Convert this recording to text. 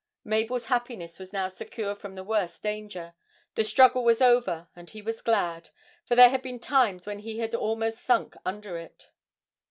Mabel's happiness was now secure from the worst danger, the struggle was over, and he was glad, for there had been times when he had almost sunk under it.